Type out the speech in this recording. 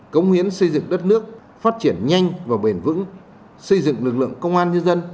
cống hiến xây dựng đất nước phát triển nhanh và bền vững xây dựng lực lượng công an nhân dân